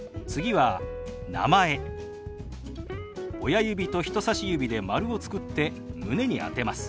親指と人さし指で丸を作って胸に当てます。